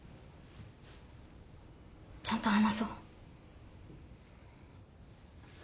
ちゃんと話そう。